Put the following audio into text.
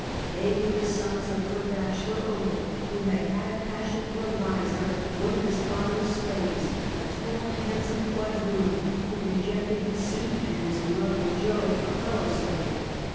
They were the sons of her bachelor uncle, who had had a passion for Liza, one of his father's slaves, a tall, handsome quadroon, who rejected his suit and was in love with Jo, a fellow slave.